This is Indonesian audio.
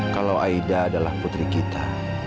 kalau aida adalah putri kita